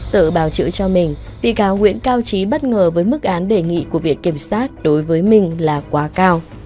tự báo chữ cho mình bị cáo nguyễn cao trí bất ngờ với mức án đề nghị của việc kiểm sát đối với mình là quá cao